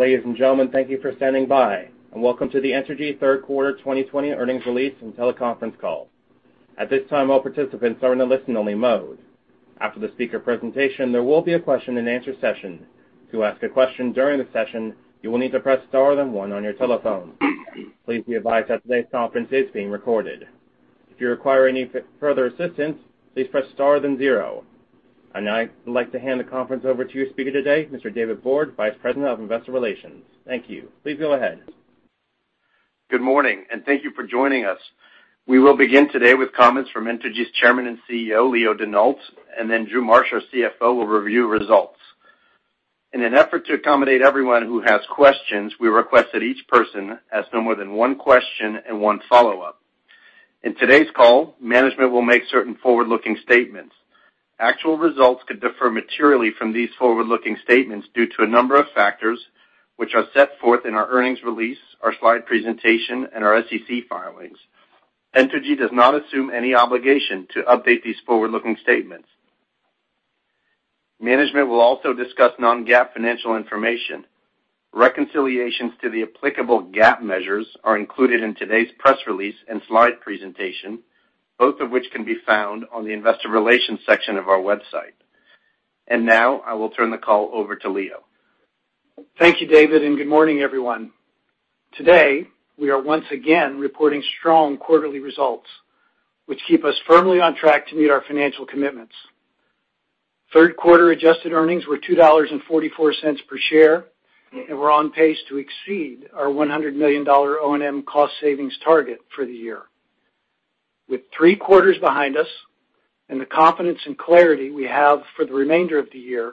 Ladies and gentlemen, thank you for standing by, and welcome to the Entergy third quarter 2020 earnings release and teleconference call. At this time, all participants are in a listen only mode. After the speaker presentation, there will be a question and answer session. To ask a question during the session, you will need to press star then one on your telephone. Please be advised that today's conference is being recorded. If you require any further assistance, please press star then zero. I'd now like to hand the conference over to your speaker today, Mr. David Borde, Vice President of Investor Relations. Thank you. Please go ahead. Good morning, and thank you for joining us. We will begin today with comments from Entergy's Chairman and CEO, Leo Denault. Then Drew Marsh, our CFO, will review results. In an effort to accommodate everyone who has questions, we request that each person ask no more than one question and one follow-up. In today's call, management will make certain forward-looking statements. Actual results could differ materially from these forward-looking statements due to a number of factors, which are set forth in our earnings release, our slide presentation, and our SEC filings. Entergy does not assume any obligation to update these forward-looking statements. Management will also discuss non-GAAP financial information. Reconciliations to the applicable GAAP measures are included in today's press release and slide presentation, both of which can be found on the investor relations section of our website. Now I will turn the call over to Leo. Thank you, David, and good morning, everyone. Today, we are once again reporting strong quarterly results, which keep us firmly on track to meet our financial commitments. Third quarter adjusted earnings were $2.44 per share, and we're on pace to exceed our $100 million O&M cost savings target for the year. With three quarters behind us and the confidence and clarity we have for the remainder of the year,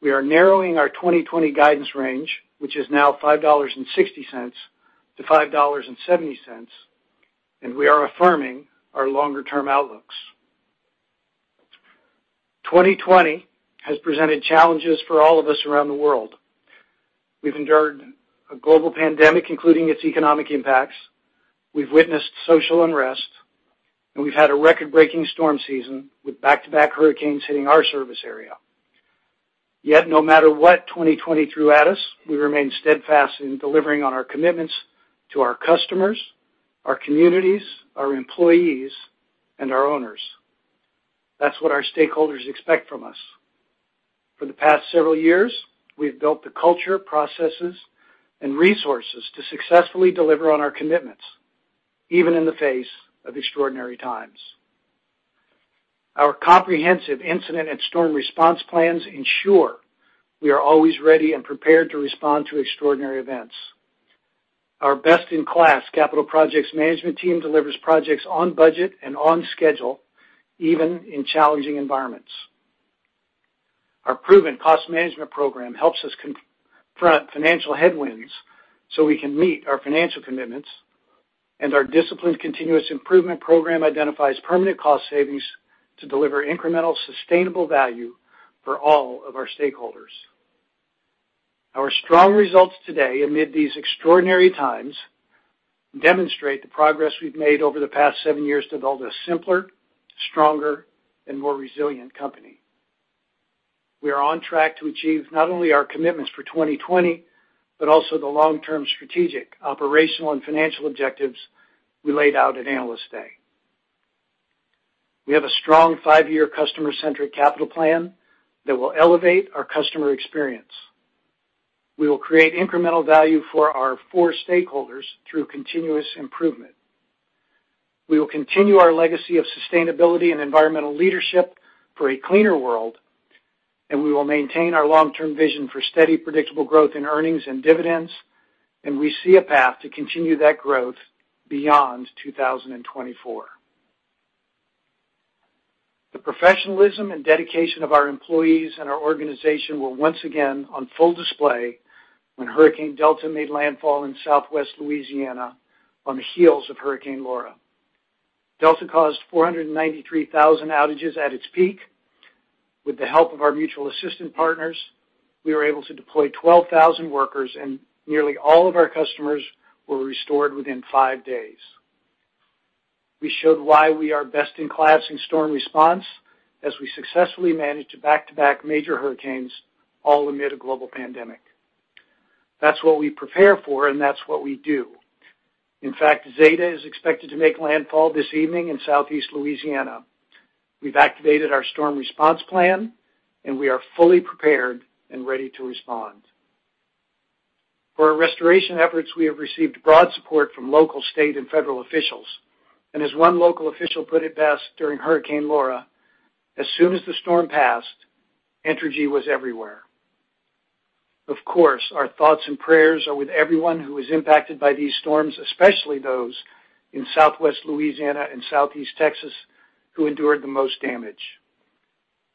we are narrowing our 2020 guidance range, which is now $5.60-$5.70, and we are affirming our longer-term outlooks. 2020 has presented challenges for all of us around the world. We've endured a global pandemic, including its economic impacts. We've witnessed social unrest, and we've had a record-breaking storm season with back-to-back hurricanes hitting our service area. No matter what 2020 threw at us, we remain steadfast in delivering on our commitments to our customers, our communities, our employees, and our owners. That's what our stakeholders expect from us. For the past several years, we've built the culture, processes, and resources to successfully deliver on our commitments, even in the face of extraordinary times. Our comprehensive incident and storm response plans ensure we are always ready and prepared to respond to extraordinary events. Our best-in-class capital projects management team delivers projects on budget and on schedule, even in challenging environments. Our proven cost management program helps us confront financial headwinds so we can meet our financial commitments, and our disciplined continuous improvement program identifies permanent cost savings to deliver incremental, sustainable value for all of our stakeholders. Our strong results today amid these extraordinary times demonstrate the progress we've made over the past seven years to build a simpler, stronger, and more resilient company. We are on track to achieve not only our commitments for 2020, but also the long-term strategic, operational, and financial objectives we laid out at Analyst Day. We have a strong five-year customer-centric capital plan that will elevate our customer experience. We will create incremental value for our four stakeholders through continuous improvement. We will continue our legacy of sustainability and environmental leadership for a cleaner world, and we will maintain our long-term vision for steady, predictable growth in earnings and dividends, and we see a path to continue that growth beyond 2024. The professionalism and dedication of our employees and our organization were once again on full display when Hurricane Delta made landfall in Southwest Louisiana on the heels of Hurricane Laura. Delta caused 493,000 outages at its peak. With the help of our mutual assistant partners, we were able to deploy 12,000 workers, and nearly all of our customers were restored within five days. We showed why we are best in class in storm response as we successfully managed back-to-back major hurricanes, all amid a global pandemic. That's what we prepare for, and that's what we do. In fact, Hurricane Zeta is expected to make landfall this evening in Southeast Louisiana. We've activated our storm response plan, and we are fully prepared and ready to respond. For our restoration efforts, we have received broad support from local state, and federal officials. As one local official put it best during Hurricane Laura, as soon as the storm passed, Entergy was everywhere. Of course, our thoughts and prayers are with everyone who is impacted by these storms, especially those in Southwest Louisiana and Southeast Texas who endured the most damage.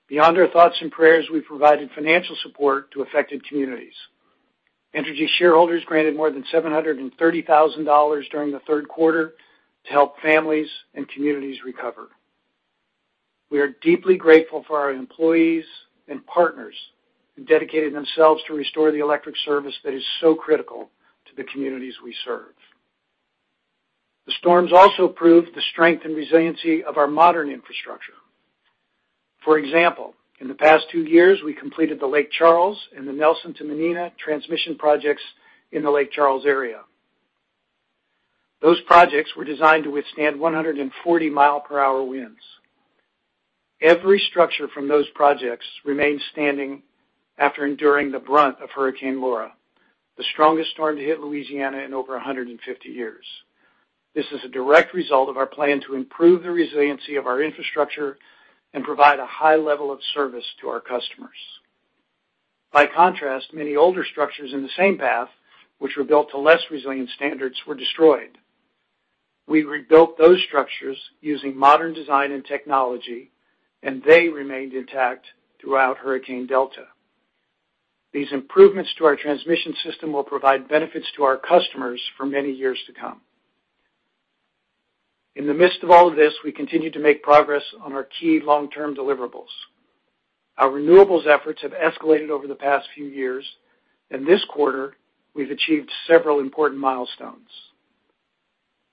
Beyond our thoughts and prayers, we've provided financial support to affected communities. Entergy shareholders granted more than $730,000 during the third quarter to help families and communities recover. We are deeply grateful for our employees and partners who dedicated themselves to restore the electric service that is so critical to the communities we serve. The storms also proved the strength and resiliency of our modern infrastructure. For example, in the past two years, we completed the Lake Charles and the Nelson to Mermentau transmission projects in the Lake Charles area. Those projects were designed to withstand 140 mile per hour winds. Every structure from those projects remains standing after enduring the brunt of Hurricane Laura, the strongest storm to hit Louisiana in over 150 years. This is a direct result of our plan to improve the resiliency of our infrastructure and provide a high level of service to our customers. By contrast, many older structures in the same path, which were built to less resilient standards, were destroyed. We rebuilt those structures using modern design and technology, and they remained intact throughout Hurricane Delta. These improvements to our transmission system will provide benefits to our customers for many years to come. In the midst of all of this, we continue to make progress on our key long-term deliverables. Our renewables efforts have escalated over the past few years, and this quarter, we've achieved several important milestones.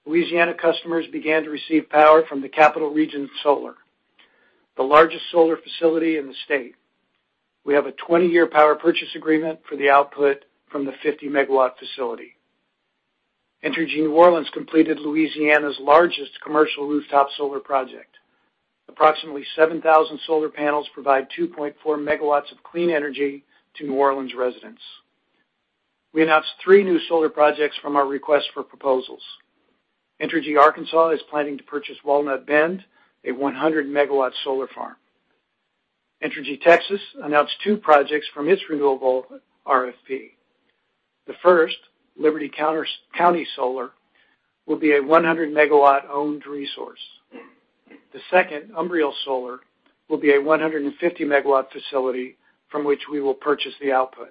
Louisiana customers began to receive power from the Capital Region Solar, the largest solar facility in the state. We have a 20-year power purchase agreement for the output from the 50-MW facility. Entergy New Orleans completed Louisiana's largest commercial rooftop solar project. Approximately 7,000 solar panels provide 2.4 MW of clean energy to New Orleans residents. We announced three new solar projects from our request for proposals. Entergy Arkansas is planning to purchase Walnut Bend, a 100-MW solar farm. Entergy Texas announced two projects from its renewable RFP. The first, Liberty County Solar, will be a 100-MW owned resource. The second, Umbriel Solar, will be a 150-MW facility from which we will purchase the output.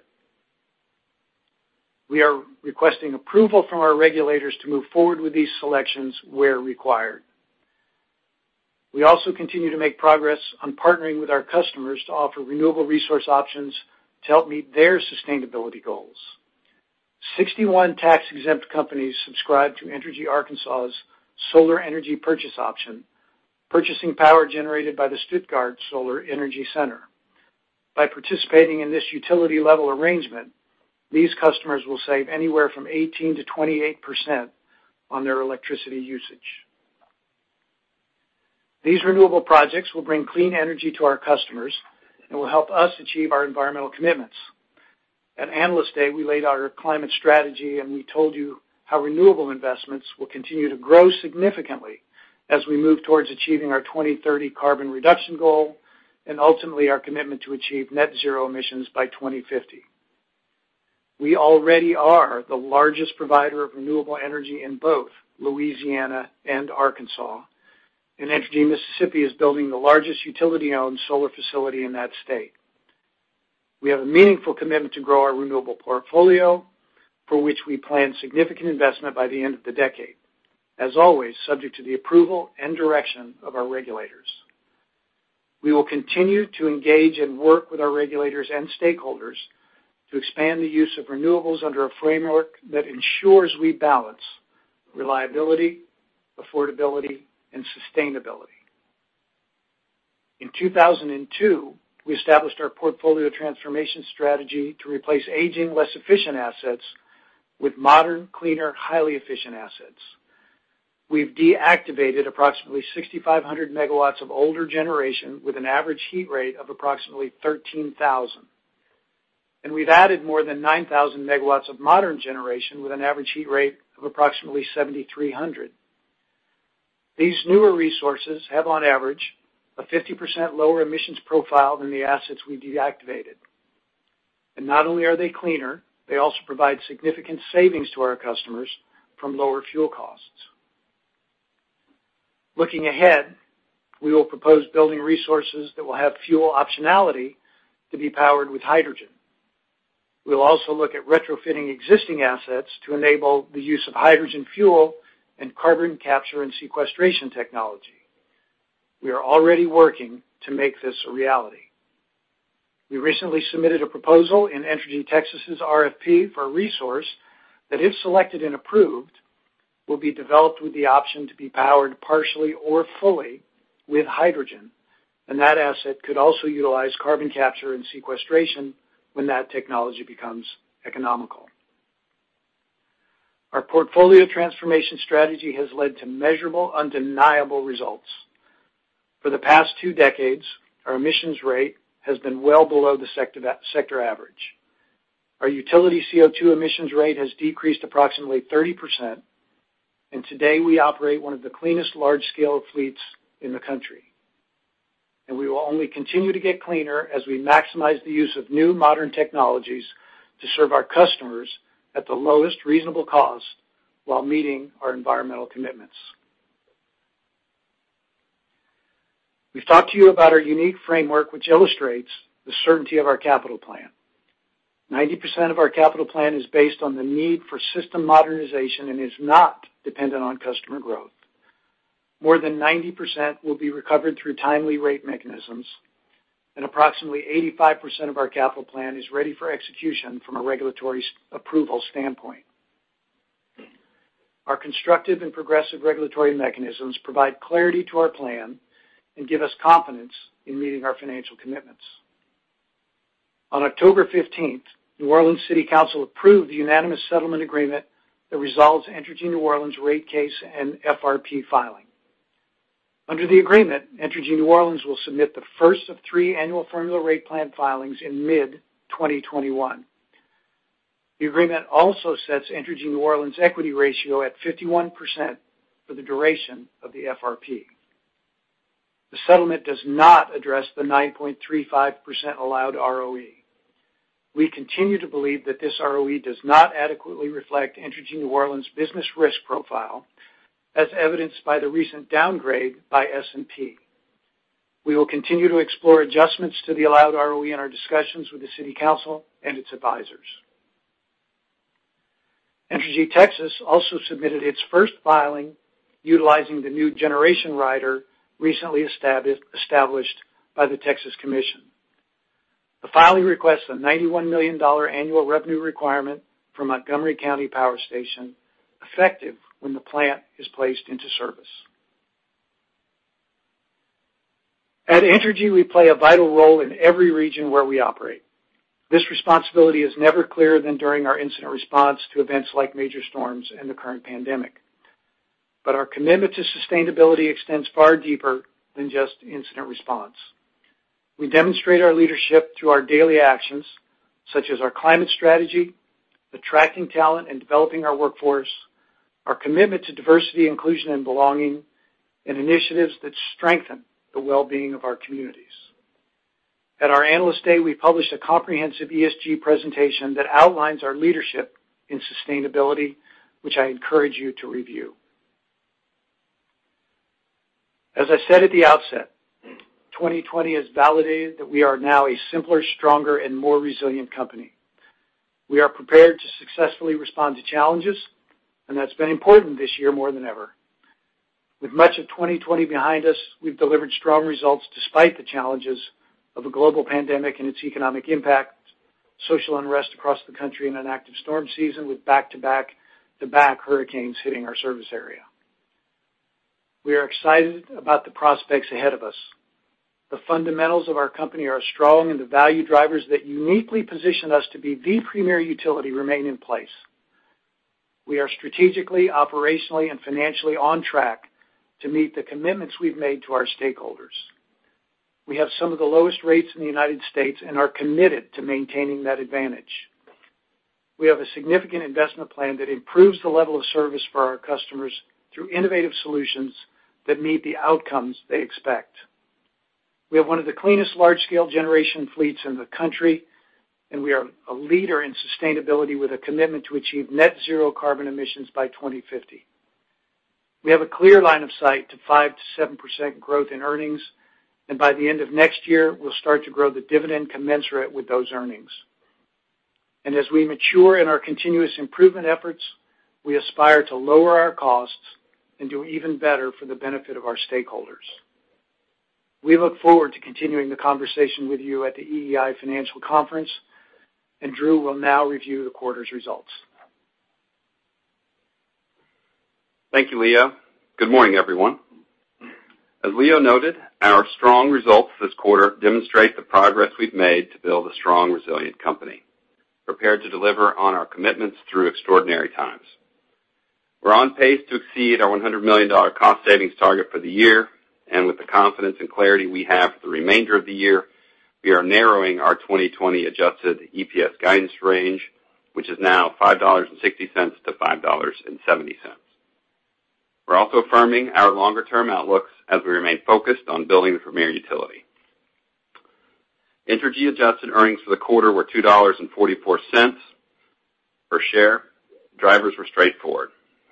We are requesting approval from our regulators to move forward with these selections where required. We also continue to make progress on partnering with our customers to offer renewable resource options to help meet their sustainability goals. 61 tax-exempt companies subscribe to Entergy Arkansas' solar energy purchase option, purchasing power generated by the Stuttgart Solar Energy Center. By participating in this utility-level arrangement, these customers will save anywhere from 18%-28% on their electricity usage. These renewable projects will bring clean energy to our customers and will help us achieve our environmental commitments. At Analyst Day, we laid out our climate strategy, and we told you how renewable investments will continue to grow significantly as we move towards achieving our 2030 carbon reduction goal, and ultimately, our commitment to achieve net zero emissions by 2050. We already are the largest provider of renewable energy in both Louisiana and Arkansas, and Entergy Mississippi is building the largest utility-owned solar facility in that state. We have a meaningful commitment to grow our renewable portfolio, for which we plan significant investment by the end of the decade. As always, subject to the approval and direction of our regulators. We will continue to engage and work with our regulators and stakeholders to expand the use of renewables under a framework that ensures we balance reliability, affordability, and sustainability. In 2002, we established our portfolio transformation strategy to replace aging, less efficient assets with modern, cleaner, highly efficient assets. We've deactivated approximately 6,500 MW of older generation with an average heat rate of approximately 13,000. We've added more than 9,000 MW of modern generation with an average heat rate of approximately 7,300. These newer resources have, on average, a 50% lower emissions profile than the assets we deactivated. Not only are they cleaner, they also provide significant savings to our customers from lower fuel costs. Looking ahead, we will propose building resources that will have fuel optionality to be powered with hydrogen. We'll also look at retrofitting existing assets to enable the use of hydrogen fuel and carbon capture and sequestration technology. We are already working to make this a reality. We recently submitted a proposal in Entergy Texas's RFP for a resource that, if selected and approved, will be developed with the option to be powered partially or fully with hydrogen, and that asset could also utilize carbon capture and sequestration when that technology becomes economical. Our portfolio transformation strategy has led to measurable, undeniable results. For the past two decades, our emissions rate has been well below the sector average. Our utility CO2 emissions rate has decreased approximately 30%. Today we operate one of the cleanest large-scale fleets in the country. We will only continue to get cleaner as we maximize the use of new modern technologies to serve our customers at the lowest reasonable cost while meeting our environmental commitments. We've talked to you about our unique framework, which illustrates the certainty of our capital plan. 90% of our capital plan is based on the need for system modernization and is not dependent on customer growth. More than 90% will be recovered through timely rate mechanisms. Approximately 85% of our capital plan is ready for execution from a regulatory approval standpoint. Our constructive and progressive regulatory mechanisms provide clarity to our plan and give us confidence in meeting our financial commitments. On October 15th, New Orleans City Council approved the unanimous settlement agreement that resolves Entergy New Orleans rate case and FRP filing. Under the agreement, Entergy New Orleans will submit the first of three annual formula rate plan filings in mid-2021. The agreement also sets Entergy New Orleans equity ratio at 51% for the duration of the FRP. The settlement does not address the 9.35% allowed ROE. We continue to believe that this ROE does not adequately reflect Entergy New Orleans' business risk profile, as evidenced by the recent downgrade by S&P. We will continue to explore adjustments to the allowed ROE in our discussions with the City Council and its advisors. Entergy Texas also submitted its first filing utilizing the new generation rider recently established by the Texas Commission. The filing requests a $91 million annual revenue requirement for Montgomery County Power Station, effective when the plant is placed into service. At Entergy, we play a vital role in every region where we operate. This responsibility is never clearer than during our incident response to events like major storms and the current pandemic. Our commitment to sustainability extends far deeper than just incident response. We demonstrate our leadership through our daily actions, such as our climate strategy, attracting talent, and developing our workforce, our commitment to diversity, inclusion, and belonging, and initiatives that strengthen the well-being of our communities. At our Analyst Day, we published a comprehensive ESG presentation that outlines our leadership in sustainability, which I encourage you to review. As I said at the outset, 2020 has validated that we are now a simpler, stronger, and more resilient company. We are prepared to successfully respond to challenges. That's been important this year more than ever. With much of 2020 behind us, we've delivered strong results despite the challenges of a global pandemic and its economic impact, social unrest across the country, and an active storm season with back-to-back-to-back hurricanes hitting our service area. We are excited about the prospects ahead of us. The fundamentals of our company are strong. The value drivers that uniquely position us to be the premier utility remain in place. We are strategically, operationally, and financially on track to meet the commitments we've made to our stakeholders. We have some of the lowest rates in the U.S. and are committed to maintaining that advantage. We have a significant investment plan that improves the level of service for our customers through innovative solutions that meet the outcomes they expect. We have one of the cleanest large-scale generation fleets in the country, and we are a leader in sustainability with a commitment to achieve net zero carbon emissions by 2050. We have a clear line of sight to 5%-7% growth in earnings. By the end of next year, we'll start to grow the dividend commensurate with those earnings. As we mature in our continuous improvement efforts, we aspire to lower our costs and do even better for the benefit of our stakeholders. We look forward to continuing the conversation with you at the EEI Financial Conference. Drew will now review the quarter's results. Thank you, Leo. Good morning, everyone. As Leo noted, our strong results this quarter demonstrate the progress we've made to build a strong, resilient company, prepared to deliver on our commitments through extraordinary times. We're on pace to exceed our $100 million cost savings target for the year, with the confidence and clarity we have for the remainder of the year, we are narrowing our 2020 adjusted EPS guidance range, which is now $5.60 to $5.70. We're also affirming our longer-term outlooks as we remain focused on building the premier utility. Entergy adjusted earnings for the quarter were $2.44 per share. Drivers were straightforward.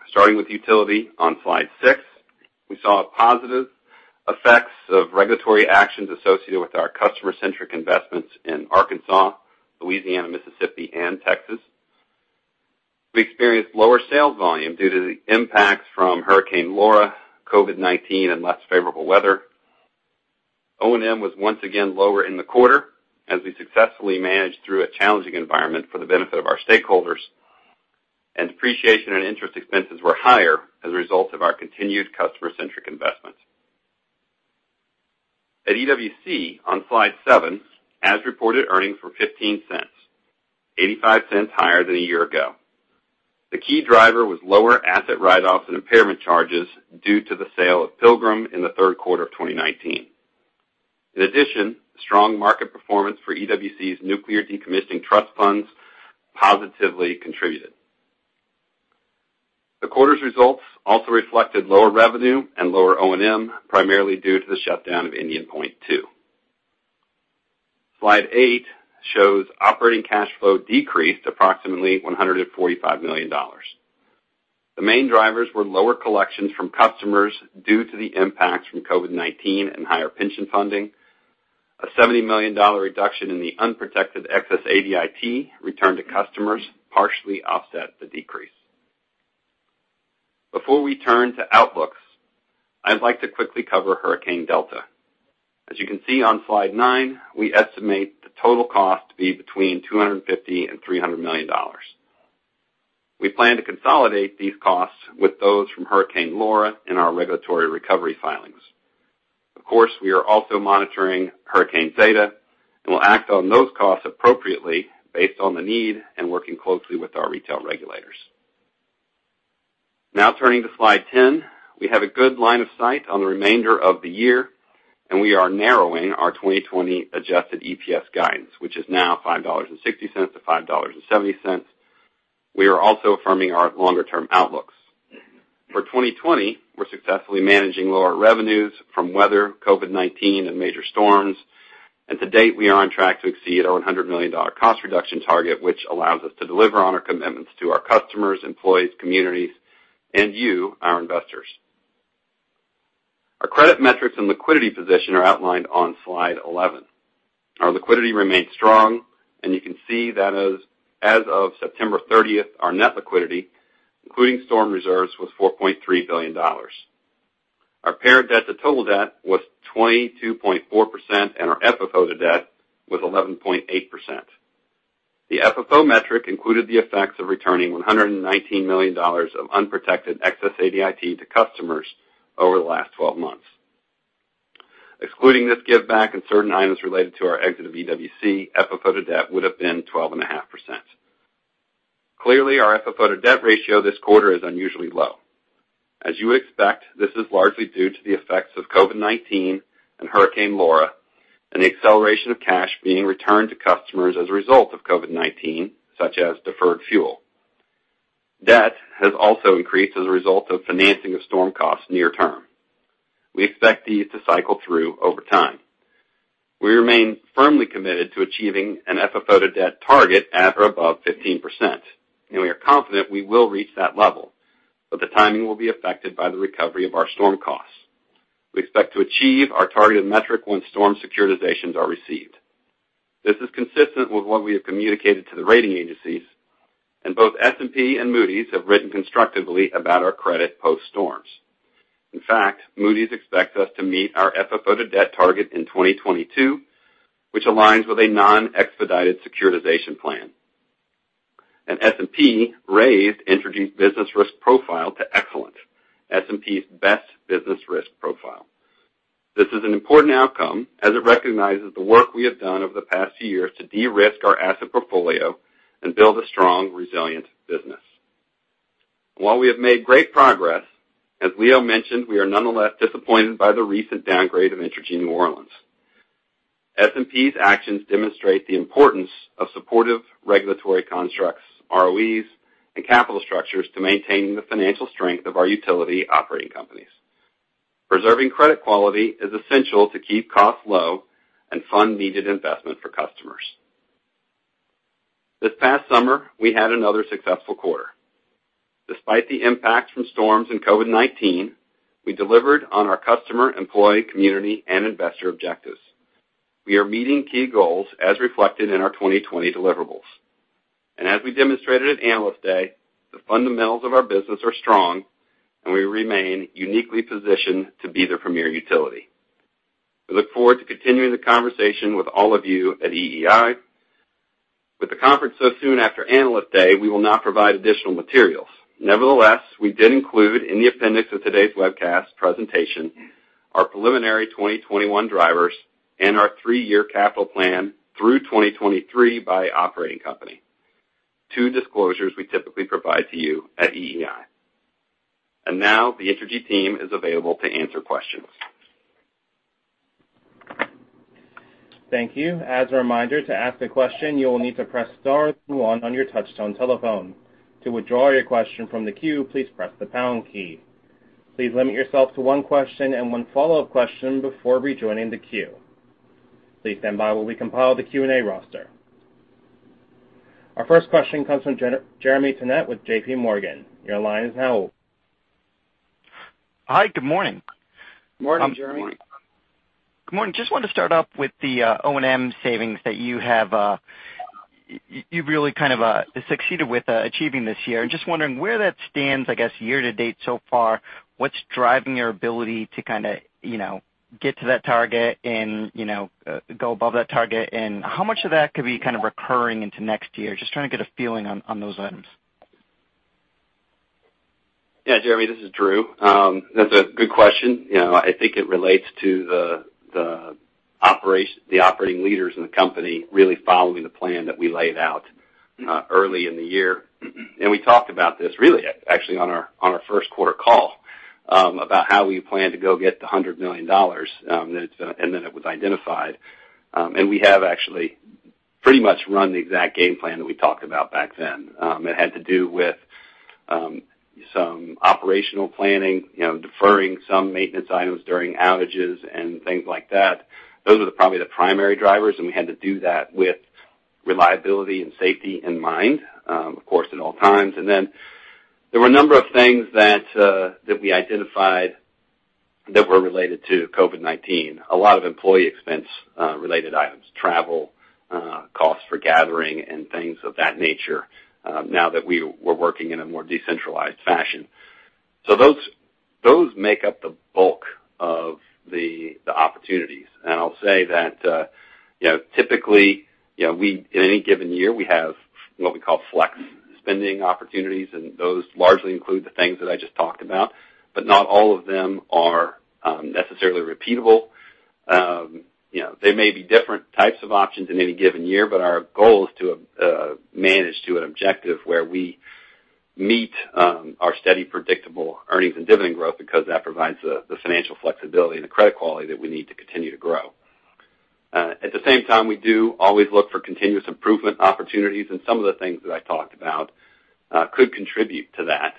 Starting with utility on slide six, we saw positive effects of regulatory actions associated with our customer-centric investments in Arkansas, Louisiana, Mississippi, and Texas. We experienced lower sales volume due to the impacts from Hurricane Laura, COVID-19, and less favorable weather. O&M was once again lower in the quarter as we successfully managed through a challenging environment for the benefit of our stakeholders. Depreciation and interest expenses were higher as a result of our continued customer-centric investments. At EWC, on slide seven, as-reported earnings were $0.15, $0.85 higher than a year ago. The key driver was lower asset write-offs and impairment charges due to the sale of Pilgrim in the third quarter of 2019. In addition, strong market performance for EWC's nuclear decommissioning trust funds positively contributed. The quarter's results also reflected lower revenue and lower O&M, primarily due to the shutdown of Indian Point 2. Slide eight shows operating cash flow decreased approximately $145 million. The main drivers were lower collections from customers due to the impacts from COVID-19 and higher pension funding. A $70 million reduction in the unprotected excess ADIT returned to customers partially offset the decrease. Before we turn to outlooks, I'd like to quickly cover Hurricane Delta. As you can see on slide nine, we estimate the total cost to be $250 million-$300 million. We plan to consolidate these costs with those from Hurricane Laura in our regulatory recovery filings. Of course, we are also monitoring Hurricane Zeta and will act on those costs appropriately based on the need in working closely with our retail regulators. Now turning to slide 10. We have a good line of sight on the remainder of the year, and we are narrowing our 2020 adjusted EPS guidance, which is now $5.60-$5.70. We are also affirming our longer-term outlooks. For 2020, we're successfully managing lower revenues from weather, COVID-19, and major storms. To date, we are on track to exceed our $100 million cost reduction target, which allows us to deliver on our commitments to our customers, employees, communities, and you, our investors. Our credit metrics and liquidity position are outlined on slide 11. Our liquidity remains strong, and you can see that as of September 30th, our net liquidity, including storm reserves, was $4.3 billion. Our parent debt to total debt was 22.4%, and our FFO to debt was 11.8%. The FFO metric included the effects of returning $119 million of unprotected excess ADIT to customers over the last 12 months. Excluding this give back and certain items related to our exit of EWC, FFO to debt would've been 12.5%. Clearly, our FFO to debt ratio this quarter is unusually low. As you expect, this is largely due to the effects of COVID-19 and Hurricane Laura, and the acceleration of cash being returned to customers as a result of COVID-19, such as deferred fuel. Debt has also increased as a result of financing of storm costs near term. We expect these to cycle through over time. We remain firmly committed to achieving an FFO to debt target at or above 15%, and we are confident we will reach that level, but the timing will be affected by the recovery of our storm costs. We expect to achieve our targeted metric once storm securitizations are received. This is consistent with what we have communicated to the rating agencies, and both S&P and Moody's have written constructively about our credit post-storms. In fact, Moody's expects us to meet our FFO to debt target in 2022, which aligns with a non-expedited securitization plan. S&P raised Entergy's business risk profile to excellent, S&P's best business risk profile. This is an important outcome, as it recognizes the work we have done over the past year to de-risk our asset portfolio and build a strong, resilient business. While we have made great progress, as Leo mentioned, we are nonetheless disappointed by the recent downgrade of Entergy New Orleans. S&P's actions demonstrate the importance of supportive regulatory constructs, ROEs, and capital structures to maintain the financial strength of our utility operating companies. Preserving credit quality is essential to keep costs low and fund needed investment for customers. This past summer, we had another successful quarter. Despite the impact from storms and COVID-19, we delivered on our customer, employee, community, and investor objectives. We are meeting key goals as reflected in our 2020 deliverables. As we demonstrated at Analyst Day, the fundamentals of our business are strong, and we remain uniquely positioned to be the premier utility. We look forward to continuing the conversation with all of you at EEI. With the conference so soon after Analyst Day, we will not provide additional materials. Nevertheless, we did include in the appendix of today's webcast presentation our preliminary 2021 drivers and our three-year capital plan through 2023 by operating company, two disclosures we typically provide to you at EEI. Now the Entergy team is available to answer questions. Thank you. As a reminder, to ask a question, you will need to press star two on your touchtone telephone. To withdraw your question from the queue, please press the pound key. Please limit yourself to one question and one follow-up question before rejoining the queue. Please stand by while we compile the Q&A roster. Our first question comes from Jeremy Tonet with JPMorgan. Your line is now open. Hi, good morning. Morning, Jeremy. Good morning. Just wanted to start off with the O&M savings that you've really kind of succeeded with achieving this year, and just wondering where that stands, I guess, year to date so far. What's driving your ability to kind of get to that target and go above that target, and how much of that could be kind of recurring into next year? Just trying to get a feeling on those items. Yeah, Jeremy, this is Drew. That's a good question. I think it relates to the operating leaders in the company really following the plan that we laid out early in the year. We talked about this really, actually, on our first quarter call, about how we plan to go get the $100 million, and then it was identified. We have actually pretty much run the exact game plan that we talked about back then. It had to do with some operational planning, deferring some maintenance items during outages, and things like that. Those are probably the primary drivers, and we had to do that with reliability and safety in mind, of course, at all times. There were a number of things that we identified that were related to COVID-19. A lot of employee expense related items, travel, costs for gathering, and things of that nature, now that we're working in a more decentralized fashion. Those make up the bulk of the opportunities. I'll say that, typically, in any given year, we have what we call flex spending opportunities, and those largely include the things that I just talked about, but not all of them are necessarily repeatable. They may be different types of options in any given year, but our goal is to manage to an objective where we meet our steady, predictable earnings and dividend growth because that provides the financial flexibility and the credit quality that we need to continue to grow. At the same time, we do always look for continuous improvement opportunities, and some of the things that I talked about could contribute to that.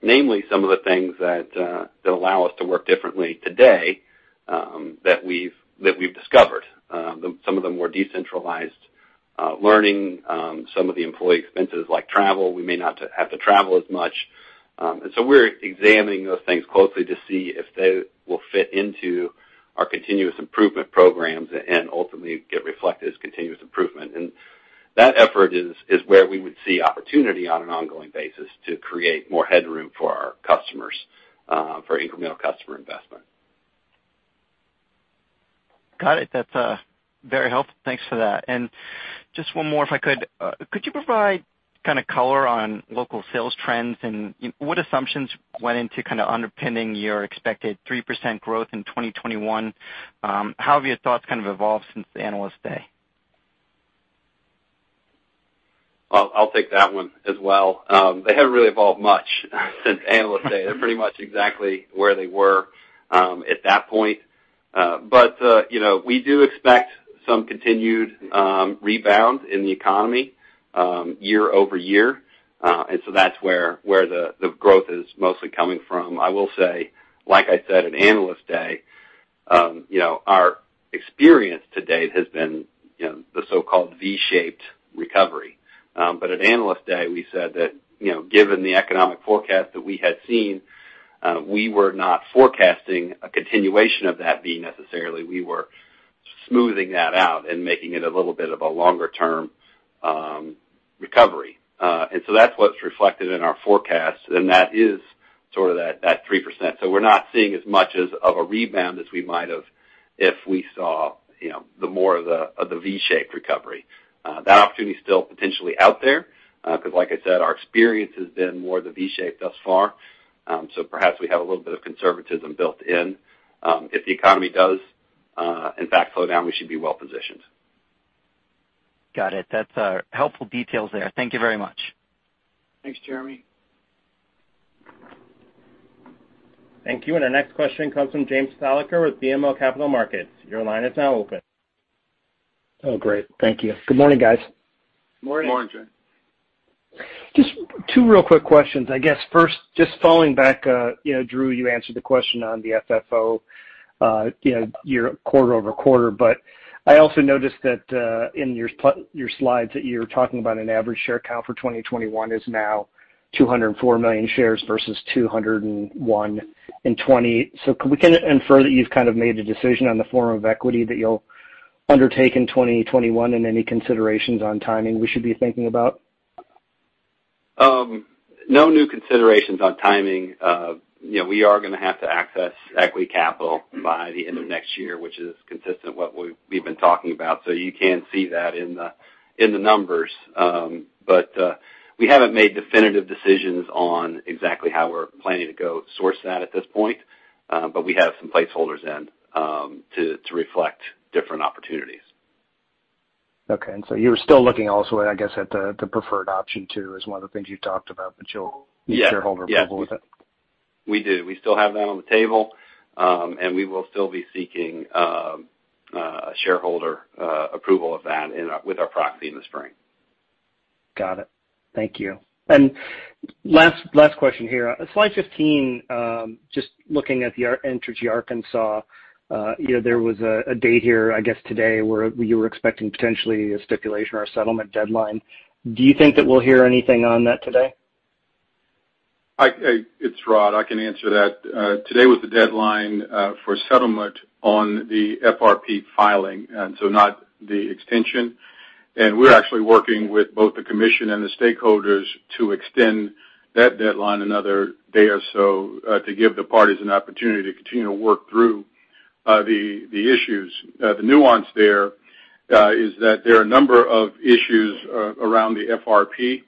Namely, some of the things that allow us to work differently today, that we've discovered. Some of the more decentralized learning, some of the employee expenses like travel, we may not have to travel as much. We're examining those things closely to see if they will fit into our continuous improvement programs and ultimately get reflected as continuous improvement. That effort is where we would see opportunity on an ongoing basis to create more headroom for our customers, for incremental customer investment. Got it. That's very helpful. Thanks for that. Just one more, if I could. Could you provide kind of color on local sales trends, and what assumptions went into kind of underpinning your expected 3% growth in 2021? How have your thoughts kind of evolved since the Analyst Day? I'll take that one as well. They haven't really evolved much since Analyst Day. They're pretty much exactly where they were at that point. We do expect some continued rebound in the economy year-over-year. That's where the growth is mostly coming from. I will say, like I said at Analyst Day, our experience to date has been the so-called V-shaped recovery. At Analyst Day, we said that given the economic forecast that we had seen, we were not forecasting a continuation of that being necessarily. We were smoothing that out and making it a little bit of a longer-term recovery. That's what's reflected in our forecast, and that is sort of that 3%. We're not seeing as much of a rebound as we might have if we saw more of the V-shaped recovery. That opportunity's still potentially out there, because like I said, our experience has been more the V-shape thus far. Perhaps we have a little bit of conservatism built in. If the economy does in fact slow down, we should be well-positioned. Got it. That's helpful details there. Thank you very much. Thanks, Jeremy. Thank you. Our next question comes from James Thalacker with BMO Capital Markets. Your line is now open. Oh, great. Thank you. Good morning, guys. Morning. Morning, James. Just two real quick questions. I guess first, just following back, Drew, you answered the question on the FFO year quarter-over-quarter. I also noticed that in your slides that you're talking about an average share count for 2021 is now 204 million shares versus 201 in 2020. Can we infer that you've kind of made a decision on the form of equity that you'll undertake in 2021 and any considerations on timing we should be thinking about? No new considerations on timing. We are going to have to access equity capital by the end of next year, which is consistent what we've been talking about, so you can see that in the numbers. We haven't made definitive decisions on exactly how we're planning to go source that at this point. We have some placeholders in to reflect different opportunities. Okay. You're still looking also at, I guess, at the preferred option, too, as one of the things you talked about, but you'll need shareholder approval with it. We do. We still have that on the table. We will still be seeking shareholder approval of that with our proxy in the spring. Got it. Thank you. Last question here. Slide 15, just looking at the Entergy Arkansas. There was a date here, I guess today, where you were expecting potentially a stipulation or a settlement deadline. Do you think that we'll hear anything on that today? It's Rod. I can answer that. Today was the deadline for settlement on the FRP filing, not the extension. We're actually working with both the commission and the stakeholders to extend that deadline another day or so to give the parties an opportunity to continue to work through the issues. The nuance there is that there are a number of issues around the FRP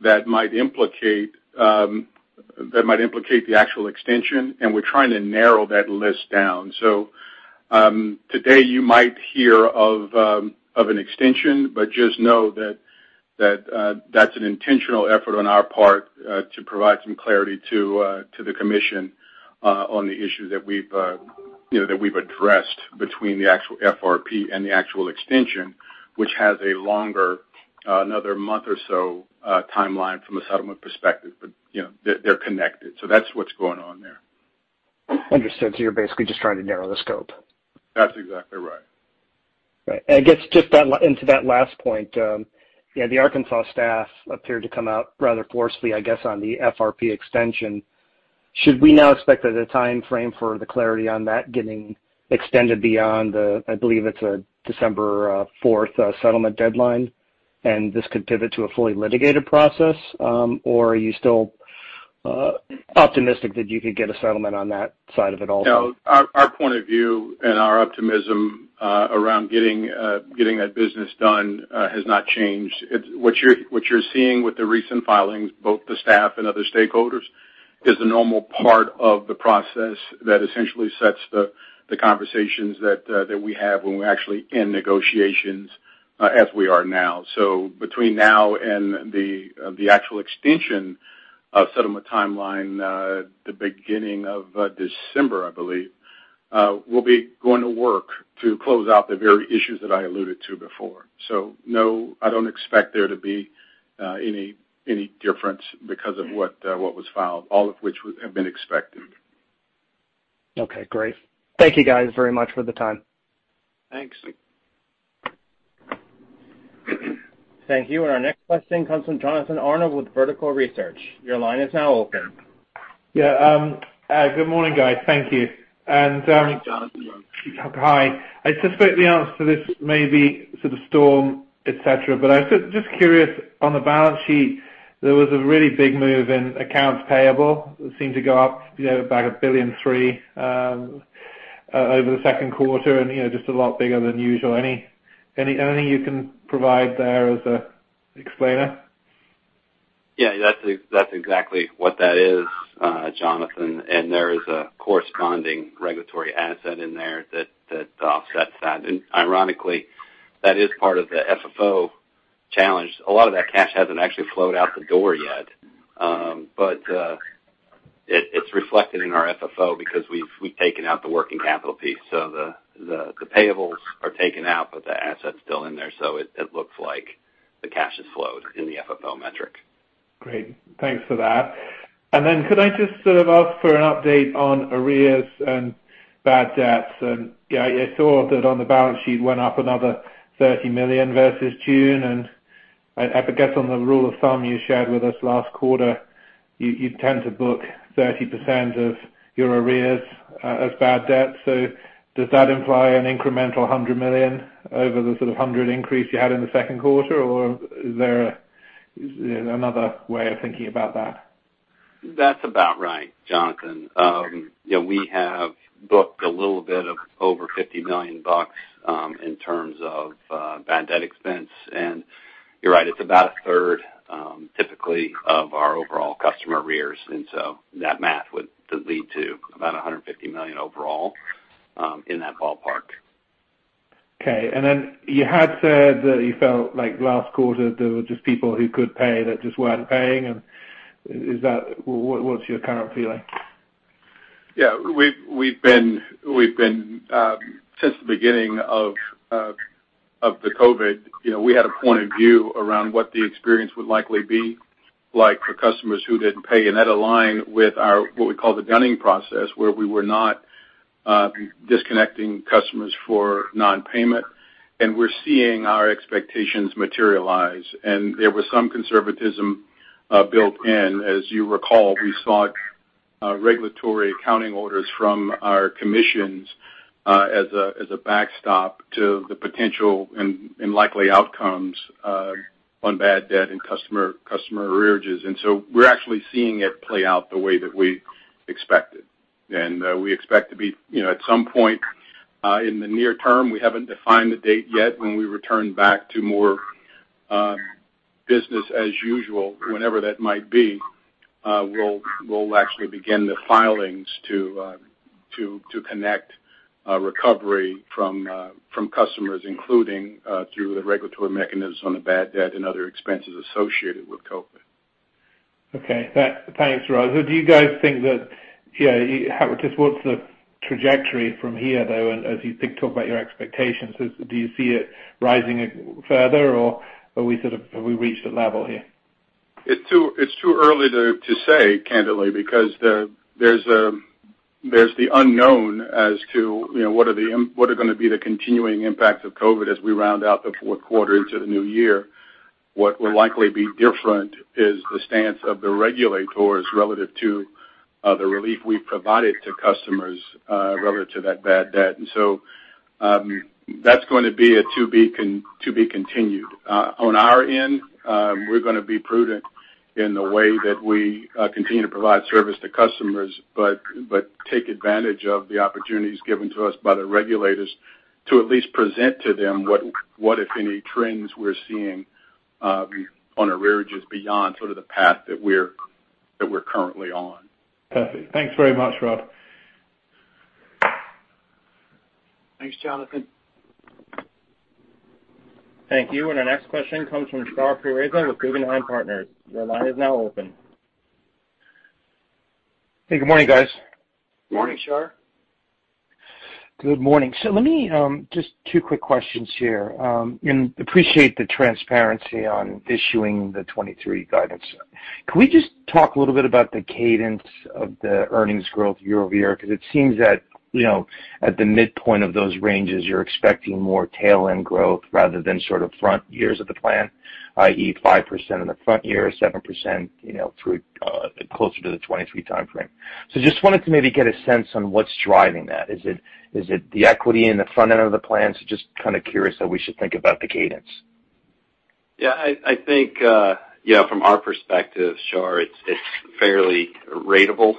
that might implicate the actual extension, and we're trying to narrow that list down. Today you might hear of an extension, but just know that that's an intentional effort on our part to provide some clarity to the commission on the issues that we've addressed between the actual FRP and the actual extension, which has a longer, another month or so, timeline from a settlement perspective. They're connected. That's what's going on there. Understood. You're basically just trying to narrow the scope. That's exactly right. Right. I guess just into that last point, the Arkansas staff appeared to come out rather forcefully, I guess, on the FRP extension. Should we now expect that a timeframe for the clarity on that getting extended beyond the, I believe it's December 4th settlement deadline, and this could pivot to a fully litigated process? Are you still optimistic that you could get a settlement on that side of it all too? No, our point of view and our optimism around getting that business done has not changed. What you're seeing with the recent filings, both the staff and other stakeholders, is the normal part of the process that essentially sets the conversations that we have when we actually end negotiations, as we are now. Between now and the actual extension of settlement timeline, the beginning of December, I believe, we'll be going to work to close out the very issues that I alluded to before. No, I don't expect there to be any difference because of what was filed, all of which have been expected. Okay, great. Thank you guys very much for the time. Thanks. Thank you. Our next question comes from Jonathan Arnold with Vertical Research. Your line is now open. Yeah. Good morning, guys. Thank you. Hi, Jonathan. Hi. I suspect the answer to this may be sort of storm, et cetera, but I was just curious, on the balance sheet, there was a really big move in accounts payable. It seemed to go up by $1.3 billion over the second quarter. Just a lot bigger than usual. Anything you can provide there as a explainer? Yeah, that's exactly what that is, Jonathan. There is a corresponding regulatory asset in there that offsets that. Ironically, that is part of the FFO challenge. A lot of that cash hasn't actually flowed out the door yet. It's reflected in our FFO because we've taken out the working capital piece. The payables are taken out, but the asset's still in there, so it looks like the cash has flowed in the FFO metric. Great. Thanks for that. Then could I just sort of ask for an update on arrears and bad debts? I saw that on the balance sheet went up another $30 million versus June, and I guess on the rule of thumb you shared with us last quarter, you tend to book 30% of your arrears as bad debt. Does that imply an incremental $100 million over the sort of $100 increase you had in the second quarter, or is there another way of thinking about that? That's about right, Jonathan. We have booked a little bit of over $50 million, in terms of bad debt expense. You're right, it's about a third, typically, of our overall customer arrears. That math would lead to about $150 million overall, in that ballpark. Okay. Then you had said that you felt like last quarter there were just people who could pay that just weren't paying. What's your current feeling? Yeah. Since the beginning of the COVID, we had a point of view around what the experience would likely be like for customers who didn't pay. That aligned with our, what we call the dunning process, where we were not disconnecting customers for non-payment. We're seeing our expectations materialize. There was some conservatism built in. As you recall, we sought regulatory accounting orders from our commissions as a backstop to the potential and likely outcomes on bad debt and customer arrearages. We're actually seeing it play out the way that we expected. We expect to be at some point in the near term, we haven't defined the date yet, when we return back to more business as usual, whenever that might be. We'll actually begin the filings to connect recovery from customers, including through the regulatory mechanisms on the bad debt and other expenses associated with COVID. Okay. Thanks, Rod. What's the trajectory from here, though, as you talk about your expectations? Do you see it rising further, or have we reached a level here? It's too early to say, candidly, because there's the unknown as to what are going to be the continuing impacts of COVID as we round out the fourth quarter into the new year. What will likely be different is the stance of the regulators relative to the relief we provided to customers relative to that bad debt. That's going to be a to be continued. On our end, we're going to be prudent in the way that we continue to provide service to customers, but take advantage of the opportunities given to us by the regulators to at least present to them what, if any, trends we're seeing on arrearages beyond sort of the path that we're currently on. Perfect. Thanks very much, Rod. Thanks, Jonathan. Thank you. Our next question comes from Shar Pourreza with Guggenheim Partners. Your line is now open. Hey, good morning, guys. Morning, Shar. Good morning. Let me just two quick questions here, and appreciate the transparency on issuing the 2023 guidance. Can we just talk a little bit about the cadence of the earnings growth year-over-year? It seems that, at the midpoint of those ranges, you're expecting more tail-end growth rather than sort of front years of the plan, i.e., 5% in the front year, 7% closer to the 2023 timeframe. Just wanted to maybe get a sense on what's driving that. Is it the equity in the front end of the plan? Just kind of curious how we should think about the cadence. I think, from our perspective, Shar, it's fairly ratable,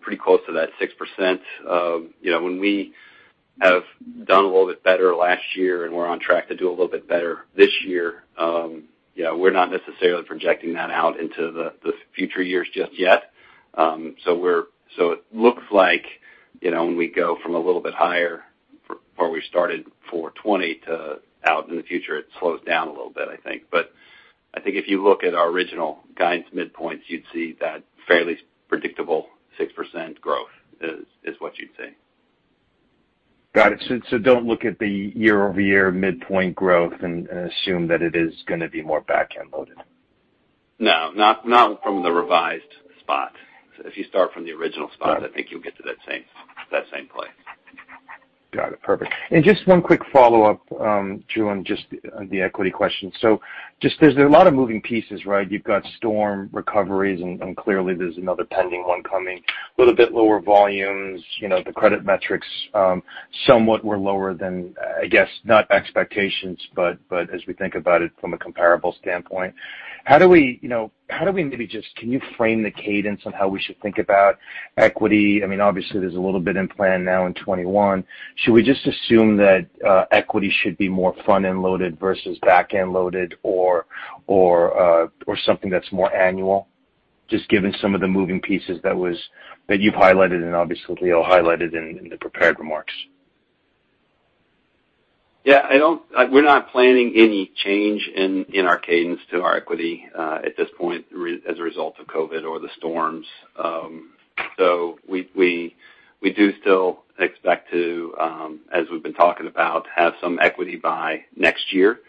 pretty close to that 6%. When we have done a little bit better last year, and we're on track to do a little bit better this year, we're not necessarily projecting that out into the future years just yet. It looks like when we go from a little bit higher from where we started for 2020 to out in the future, it slows down a little bit, I think. I think if you look at our original guidance midpoints, you'd see that fairly predictable 6% growth is what you'd see. Got it. Don't look at the year-over-year midpoint growth and assume that it is going to be more back-end loaded. No, not from the revised spot. If you start from the original spot. Got it. I think you'll get to that same place. Got it. Perfect. Just one quick follow-up, Drew, on just the equity question. Just there's a lot of moving pieces, right? You've got storm recoveries, and clearly there's another pending one coming. A little bit lower volumes. The credit metrics somewhat were lower than, I guess, not expectations, but as we think about it from a comparable standpoint. How do we maybe can you frame the cadence on how we should think about equity? Obviously, there's a little bit in plan now in 2021. Should we just assume that equity should be more front-end loaded versus back-end loaded or something that's more annual? Just given some of the moving pieces that you've highlighted and obviously Leo highlighted in the prepared remarks. Yeah. We're not planning any change in our cadence to our equity at this point as a result of COVID or the storms. We do still expect to, as we've been talking about, have some equity by next year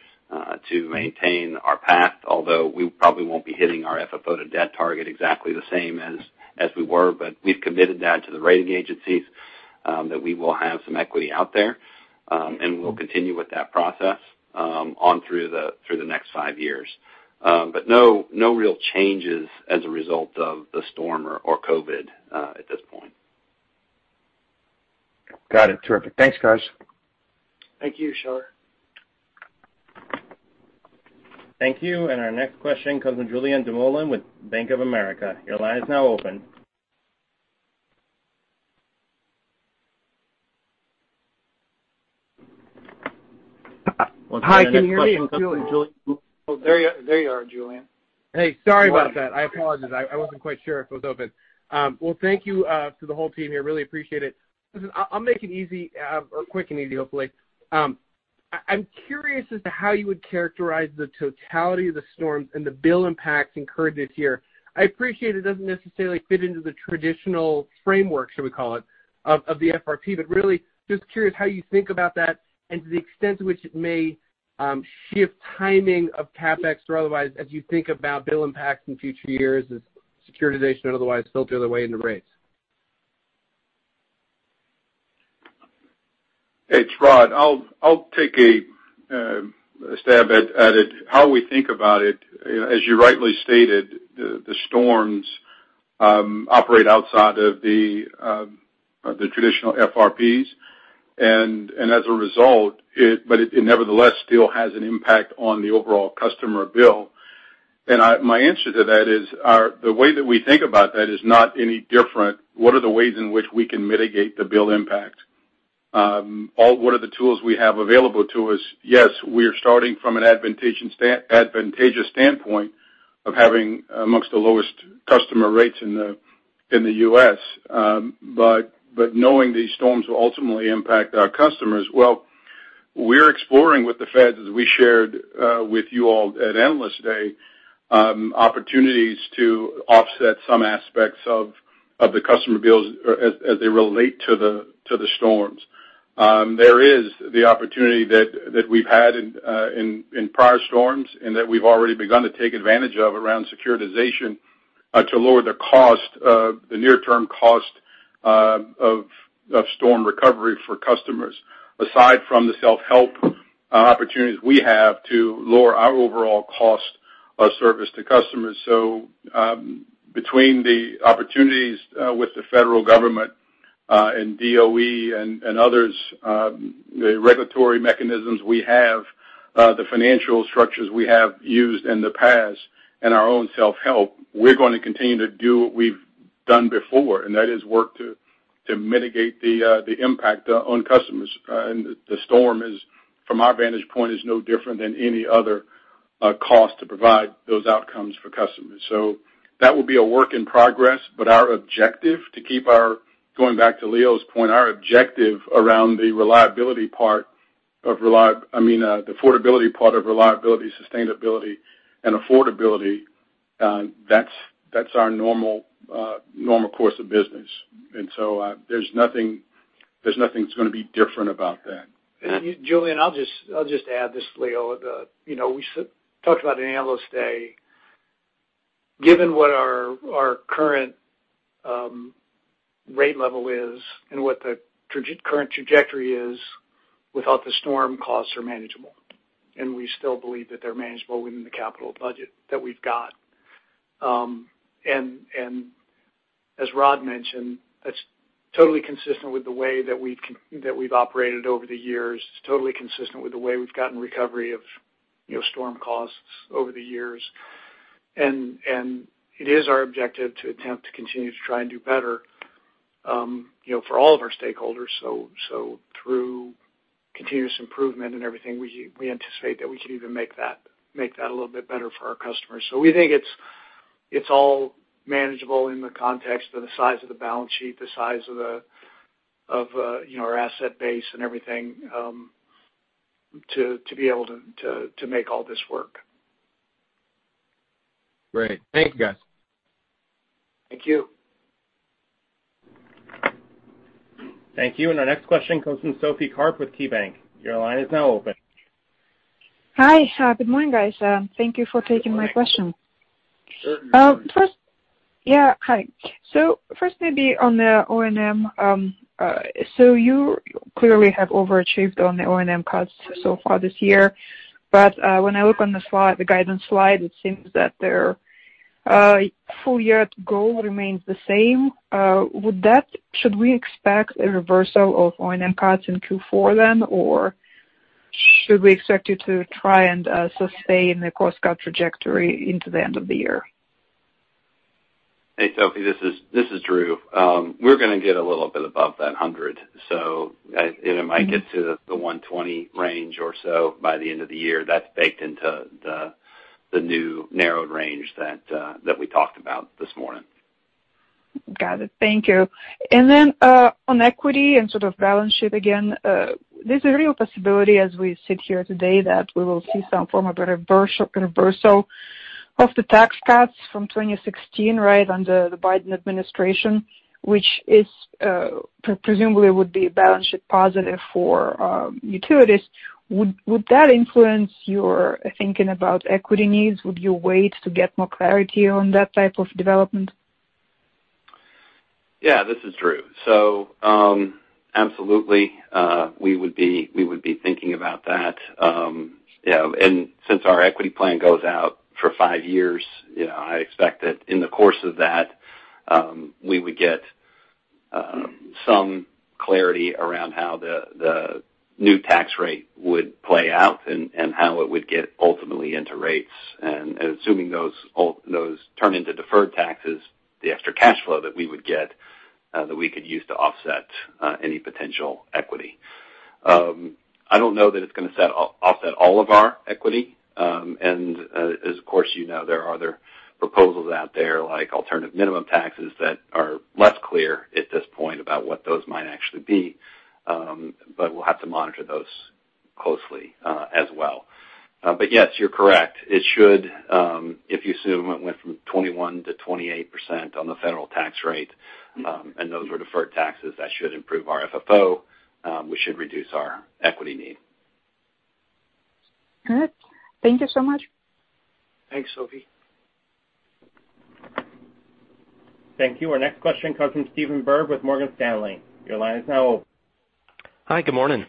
to maintain our path, although we probably won't be hitting our FFO to debt target exactly the same as we were. We've committed that to the rating agencies that we will have some equity out there, and we'll continue with that process on through the next five years. No real changes as a result of the storm or COVID at this point. Got it. Terrific. Thanks, guys. Thank you, Shar. Thank you. Our next question comes from Julien Dumoulin with Bank of America. Your line is now open. Hi, can you hear me? I'm Julien. Oh, there you are, Julien. Hey. Sorry about that. I apologize. I wasn't quite sure if it was open. Well, thank you to the whole team here. Really appreciate it. Listen, I'll make it easy or quick and easy, hopefully. I'm curious as to how you would characterize the totality of the storm and the bill impacts incurred this year. I appreciate it doesn't necessarily fit into the traditional framework, should we call it, of the FRP. Really just curious how you think about that and to the extent to which it may shift timing of CapEx or otherwise as you think about bill impacts in future years as securitization or otherwise filter their way into rates. Hey, it's Rod. I'll take a stab at it. How we think about it, as you rightly stated, the storms operate outside of the traditional FRPs, as a result, it nevertheless still has an impact on the overall customer bill. My answer to that is, the way that we think about that is not any different. What are the ways in which we can mitigate the bill impact? What are the tools we have available to us? Yes, we are starting from an advantageous standpoint of having amongst the lowest customer rates in the U.S. Knowing these storms will ultimately impact our customers, well, we're exploring with the feds, as we shared with you all at Analyst Day, opportunities to offset some aspects of the customer bills as they relate to the storms. There is the opportunity that we've had in prior storms and that we've already begun to take advantage of around securitization to lower the near-term cost of storm recovery for customers, aside from the self-help opportunities we have to lower our overall cost of service to customers. Between the opportunities with the federal government and DOE and others, the regulatory mechanisms we have, the financial structures we have used in the past, and our own self-help, we're going to continue to do what we've done before, and that is work to mitigate the impact on customers. The storm is, from our vantage point, is no different than any other cost to provide those outcomes for customers. That will be a work in progress. Our objective to keep going back to Leo's point, our objective around the reliability part of the affordability part of reliability, sustainability, and affordability, that's our normal course of business. There's nothing that's going to be different about that. Julien, I'll just add this, Leo. We talked about in Analyst Day, given what our current rate level is and what the current trajectory is, without the storm, costs are manageable. We still believe that they're manageable within the capital budget that we've got. As Rod mentioned, that's totally consistent with the way that we've operated over the years. It is our objective to attempt to continue to try and do better for all of our stakeholders. Through continuous improvement and everything, we anticipate that we can even make that a little bit better for our customers. We think it's all manageable in the context of the size of the balance sheet, the size of our asset base and everything, to be able to make all this work. Great. Thank you, guys. Thank you. Thank you. Our next question comes from Sophie Karp with KeyBank. Your line is now open. Hi. Good morning, guys. Thank you for taking my question. Good morning. Yeah. Hi. First maybe on the O&M. You clearly have overachieved on the O&M costs so far this year. When I look on the guidance slide, it seems that their full-year goal remains the same. Should we expect a reversal of O&M cuts in Q4, or should we expect you to try and sustain the cost-cut trajectory into the end of the year? Hey, Sophie, this is Drew. We're going to get a little bit above that 100. It might get to the 120 range or so by the end of the year. That's baked into the new narrowed range that we talked about this morning. Got it. Thank you. Then on equity and sort of balance sheet again, there's a real possibility as we sit here today that we will see some form of a reversal of the tax cuts from 2016 under the Biden administration, which presumably would be balance sheet positive for utilities. Would that influence your thinking about equity needs? Would you wait to get more clarity on that type of development? Yeah, this is Drew. Absolutely, we would be thinking about that. Since our equity plan goes out for five years, I expect that in the course of that, we would get some clarity around how the new tax rate would play out and how it would get ultimately into rates. Assuming those turn into deferred taxes, the extra cash flow that we would get, that we could use to offset any potential equity. I don't know that it's going to offset all of our equity. As of course you know, there are other proposals out there like alternative minimum taxes that are less clear at this point about what those might actually be. We'll have to monitor those closely as well. Yes, you're correct. It should, if you assume it went from 21% to 28% on the Federal tax rate, and those were deferred taxes, that should improve our FFO. We should reduce our equity need. Good. Thank you so much. Thanks, Sophie. Thank you. Our next question comes from Stephen Byrd with Morgan Stanley. Your line is now open. Hi. Good morning.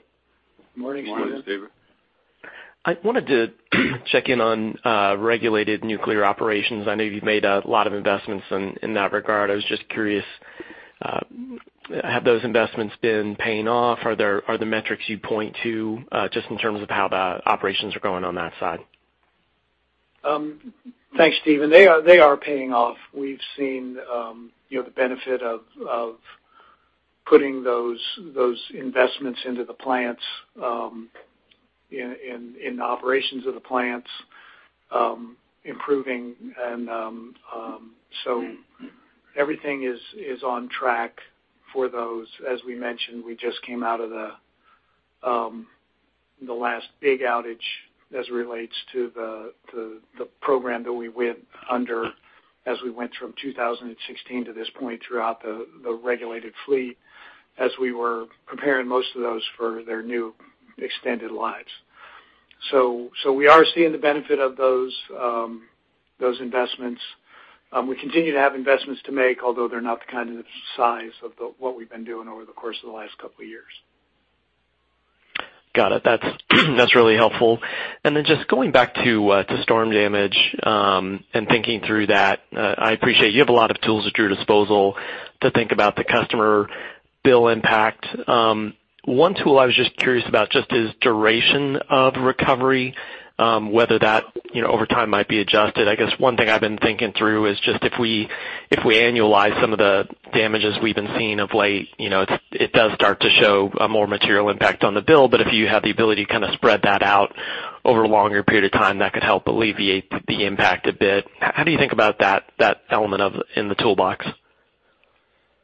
Morning, Stephen. Morning. I wanted to check in on regulated nuclear operations. I know you've made a lot of investments in that regard. I was just curious, have those investments been paying off? Are there metrics you'd point to just in terms of how the operations are going on that side? Thanks, Stephen. They are paying off. We've seen the benefit of putting those investments into the plants, in operations of the plants improving. Everything is on track for those. As we mentioned, we just came out of the last big outage as it relates to the program that we went under as we went from 2016 to this point throughout the regulated fleet as we were preparing most of those for their new extended lives. We are seeing the benefit of those investments. We continue to have investments to make, although they're not the kind of the size of what we've been doing over the course of the last couple of years. Got it. That's really helpful. Just going back to storm damage, and thinking through that, I appreciate you have a lot of tools at your disposal to think about the customer bill impact. One tool I was just curious about is duration of recovery, whether that over time might be adjusted. I guess one thing I've been thinking through is just if we annualize some of the damages we've been seeing of late, it does start to show a more material impact on the bill. If you have the ability to kind of spread that out over a longer period of time, that could help alleviate the impact a bit. How do you think about that element in the toolbox?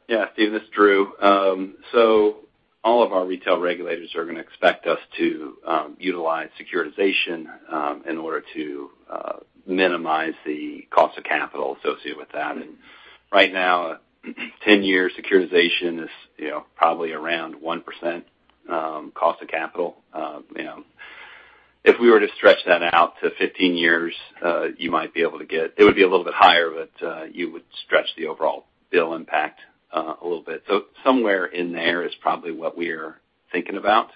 Yeah, Stephen, this is Drew. All of our retail regulators are going to expect us to utilize securitization in order to minimize the cost of capital associated with that. Right now, 10-year securitization is probably around 1% cost of capital. If we were to stretch that out to 15 years, it would be a little bit higher, but you would stretch the overall bill impact a little bit. Somewhere in there is probably what we're thinking about.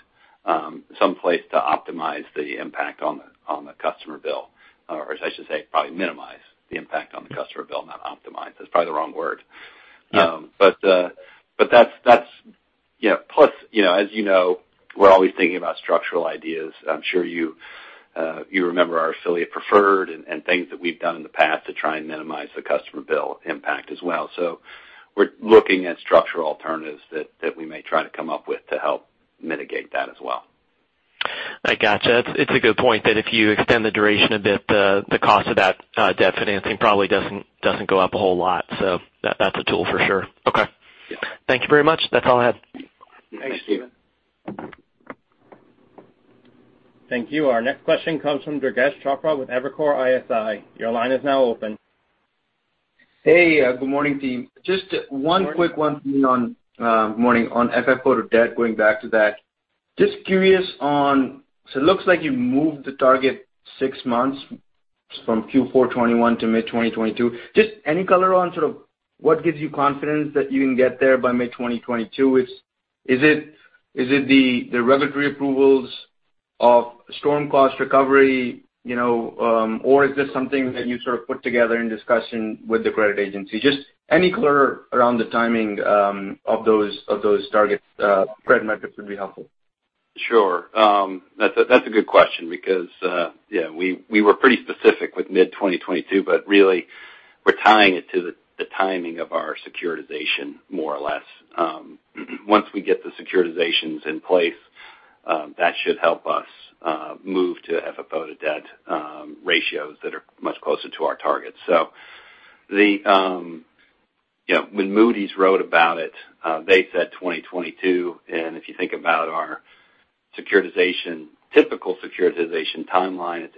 Some place to optimize the impact on the customer bill. As I should say, probably minimize the impact on the customer bill, not optimize. That's probably the wrong word. Yeah. As you know, we're always thinking about structural ideas. I'm sure you remember our affiliate preferred and things that we've done in the past to try and minimize the customer bill impact as well. We're looking at structural alternatives that we may try to come up with to help mitigate that as well. I got you. It's a good point that if you extend the duration a bit, the cost of that debt financing probably doesn't go up a whole lot. That's a tool for sure. Okay. Yeah. Thank you very much. That's all I had. Thanks, Stephen. Thank you. Our next question comes from Durgesh Chopra with Evercore ISI. Your line is now open. Hey, good morning, team. Morning. Just one quick one on FFO to debt, going back to that. Just curious on, so it looks like you moved the target six months from Q4 2021 to mid-2022. Just any color on what gives you confidence that you can get there by mid-2022? Is it the regulatory approvals of storm cost recovery, or is this something that you sort of put together in discussion with the credit agency? Just any color around the timing of those targets, credit metrics would be helpful. Sure. That's a good question because we were pretty specific with mid-2022, really we're tying it to the timing of our securitization, more or less. Once we get the securitizations in place, that should help us move to FFO to debt ratios that are much closer to our targets. When Moody's wrote about it, they said 2022, if you think about our typical securitization timeline, it's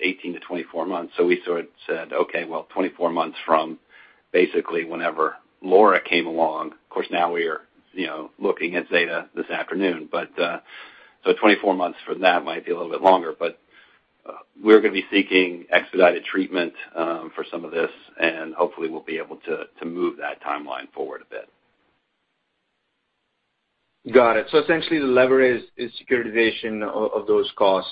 18-24 months. We sort of said, okay, well, 24 months from basically whenever Laura came along. Of course, now we are looking at Zeta this afternoon. 24 months from that might be a little bit longer, we're going to be seeking expedited treatment for some of this, hopefully we'll be able to move that timeline forward a bit. Got it. Essentially the lever is securitization of those costs,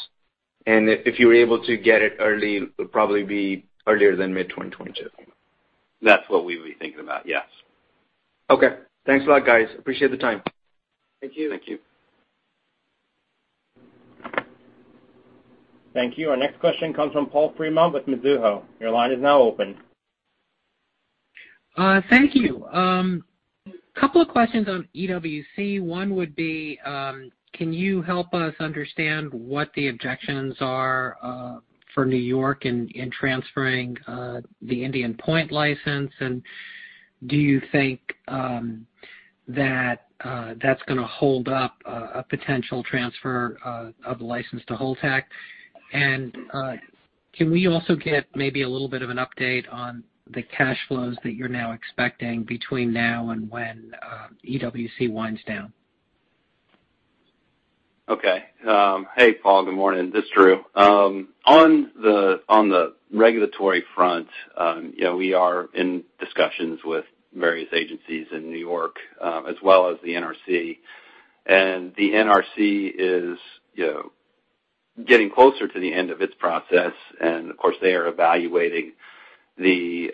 and if you were able to get it early, it would probably be earlier than mid-2022. That's what we would be thinking about, yes. Okay. Thanks a lot, guys. Appreciate the time. Thank you. Thank you. Thank you. Our next question comes from Paul Fremont with Mizuho. Your line is now open. Thank you. Couple of questions on EWC. One would be can you help us understand what the objections are for New York in transferring the Indian Point license, and do you think that's going to hold up a potential transfer of the license to Holtec? Can we also get maybe a little bit of an update on the cash flows that you're now expecting between now and when EWC winds down? Okay. Hey, Paul, good morning. This is Drew. On the regulatory front, we are in discussions with various agencies in New York, as well as the NRC. The NRC is getting closer to the end of its process, and of course, they are evaluating the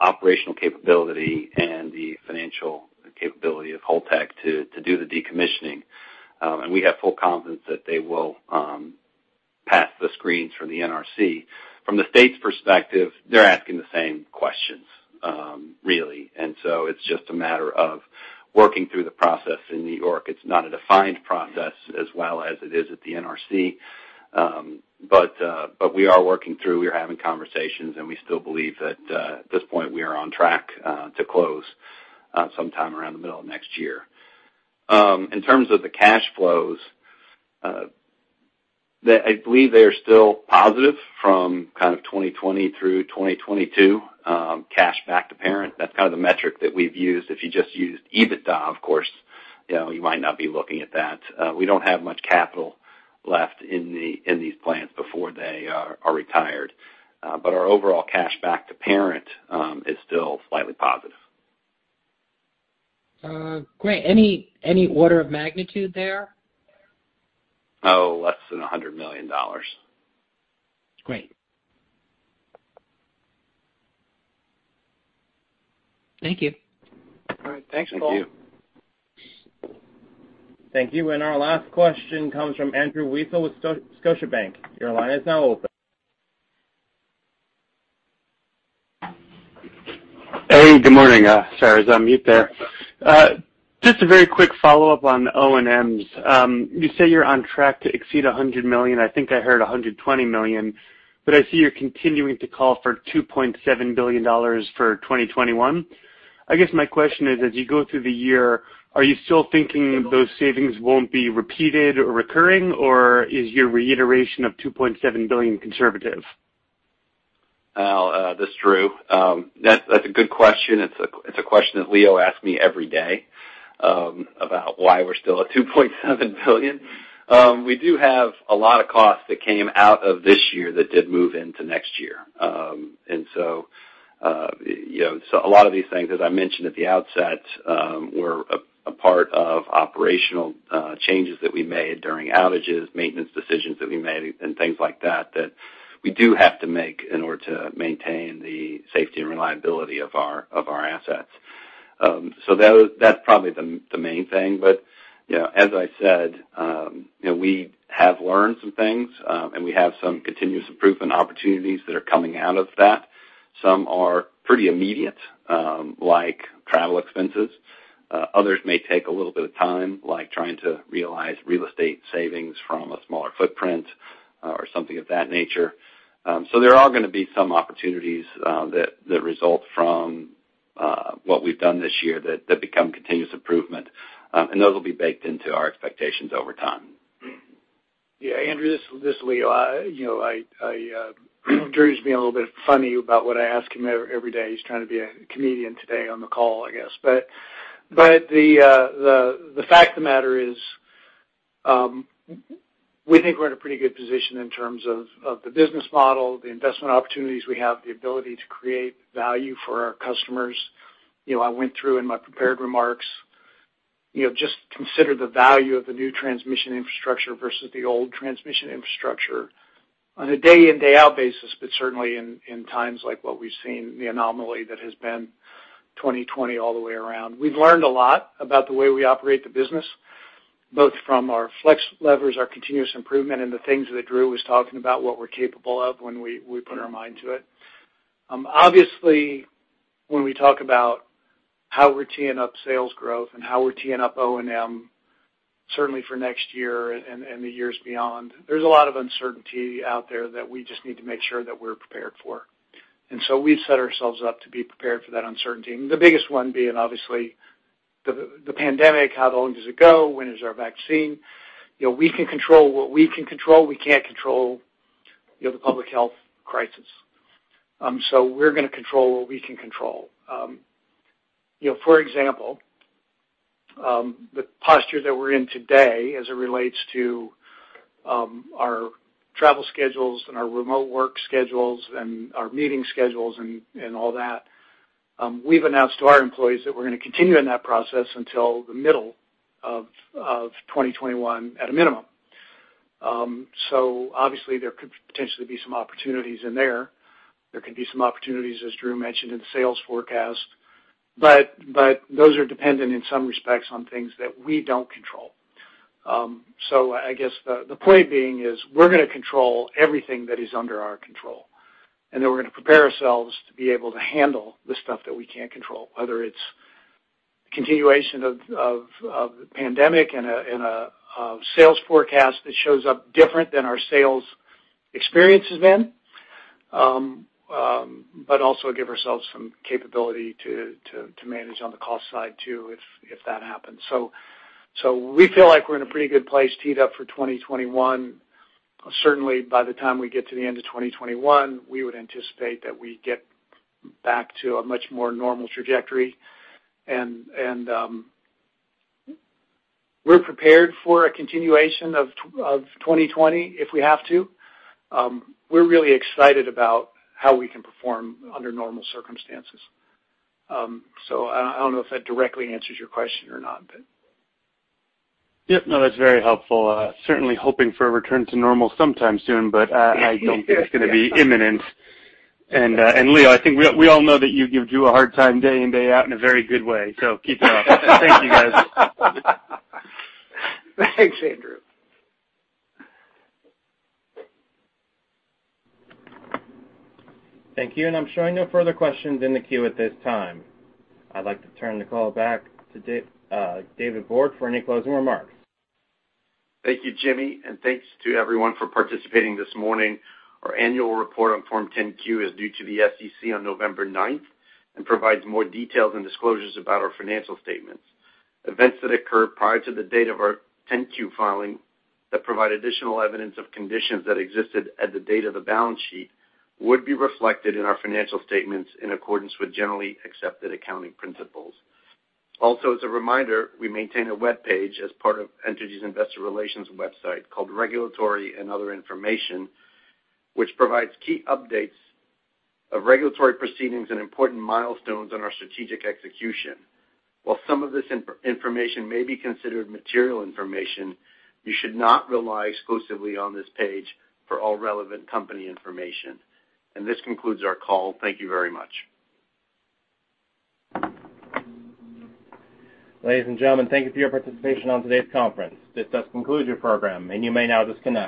operational capability and the financial capability of Holtec to do the decommissioning. We have full confidence that they will pass the screens from the NRC. From the state's perspective, they're asking the same questions, really. It's just a matter of working through the process in New York. It's not a defined process as well as it is at the NRC. We are working through, we are having conversations, and we still believe that at this point, we are on track to close sometime around the middle of next year. In terms of the cash flows, I believe they are still positive from kind of 2020 through 2022, cash back to parent. That's kind of the metric that we've used. If you just used EBITDA, of course, you might not be looking at that. We don't have much capital left in these plants before they are retired. Our overall cash back to parent is still slightly positive. Great. Any order of magnitude there? Oh, less than $100 million. Great. Thank you. All right. Thanks, Paul. Thank you. Thank you. Our last question comes from Andrew Weisel with Scotiabank. Your line is now open. Hey, good morning. Sorry, I was on mute there. Just a very quick follow-up on the O&M. You say you're on track to exceed $100 million. I think I heard $120 million, but I see you're continuing to call for $2.7 billion for 2021. I guess my question is, as you go through the year, are you still thinking those savings won't be repeated or recurring, or is your reiteration of $2.7 billion conservative? This is Drew. That's a good question. It's a question that Leo asks me every day about why we're still at $2.7 billion. We do have a lot of costs that came out of this year that did move into next year. A lot of these things, as I mentioned at the outset, were a part of operational changes that we made during outages, maintenance decisions that we made, and things like that we do have to make in order to maintain the safety and reliability of our assets. That's probably the main thing. As I said, we have learned some things, and we have some continuous improvement opportunities that are coming out of that. Some are pretty immediate, like travel expenses. Others may take a little bit of time, like trying to realize real estate savings from a smaller footprint or something of that nature. There are going to be some opportunities that result from what we've done this year that become continuous improvement, and those will be baked into our expectations over time. Yeah, Andrew, this is Leo. Drew's being a little bit funny about what I ask him every day. He's trying to be a comedian today on the call, I guess. The fact of the matter is, we think we're in a pretty good position in terms of the business model, the investment opportunities we have, the ability to create value for our customers. I went through in my prepared remarks. Just consider the value of the new transmission infrastructure versus the old transmission infrastructure on a day in, day out basis, but certainly in times like what we've seen, the anomaly that has been 2020 all the way around. We've learned a lot about the way we operate the business, both from our flex levers, our continuous improvement, and the things that Drew was talking about, what we're capable of when we put our mind to it. Obviously, when we talk about how we're teeing up sales growth and how we're teeing up O&M, certainly for next year and the years beyond, there's a lot of uncertainty out there that we just need to make sure that we're prepared for. We set ourselves up to be prepared for that uncertainty, the biggest one being obviously the pandemic, how long does it go? When is our vaccine? We can control what we can control. We can't control the public health crisis. We're going to control what we can control. For example, the posture that we're in today as it relates to our travel schedules and our remote work schedules and our meeting schedules and all that. We've announced to our employees that we're going to continue in that process until the middle of 2021 at a minimum. Obviously there could potentially be some opportunities in there. There could be some opportunities, as Drew mentioned, in the sales forecast. Those are dependent in some respects on things that we don't control. I guess the point being is we're going to control everything that is under our control, and then we're going to prepare ourselves to be able to handle the stuff that we can't control, whether it's continuation of the pandemic and a sales forecast that shows up different than our sales experience has been, but also give ourselves some capability to manage on the cost side, too, if that happens. We feel like we're in a pretty good place teed up for 2021. Certainly by the time we get to the end of 2021, we would anticipate that we get back to a much more normal trajectory. We're prepared for a continuation of 2020 if we have to. We're really excited about how we can perform under normal circumstances. I don't know if that directly answers your question or not. Yes, no, that's very helpful. Certainly hoping for a return to normal sometime soon. I don't think it's going to be imminent. Leo, I think we all know that you give Drew a hard time day in, day out in a very good way. Keep it up. Thank you, guys. Thanks, Andrew. Thank you. I'm showing no further questions in the queue at this time. I'd like to turn the call back to David Borde for any closing remarks. Thank you, Jimmy, and thanks to everyone for participating this morning. Our annual report on Form 10-Q is due to the SEC on November 9th and provides more details and disclosures about our financial statements. Events that occur prior to the date of our 10-Q filing that provide additional evidence of conditions that existed at the date of the balance sheet would be reflected in our financial statements in accordance with generally accepted accounting principles. As a reminder, we maintain a webpage as part of Entergy's investor relations website called Regulatory and Other Information, which provides key updates of regulatory proceedings and important milestones on our strategic execution. While some of this information may be considered material information, you should not rely exclusively on this page for all relevant company information. This concludes our call. Thank you very much. Ladies and gentlemen, thank you for your participation on today's conference. This does conclude your program, and you may now disconnect.